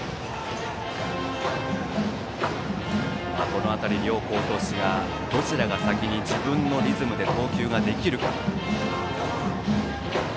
この辺り両好投手がどちらが先に自分のリズムで投球ができるか。